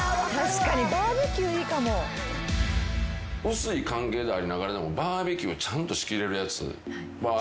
薄い関係でありながらでもバーベキューちゃんと仕切れるやつバー